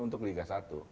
untuk liga satu